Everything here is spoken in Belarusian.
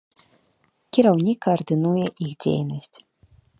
Кіраўнік каардынуе іх дзейнасць.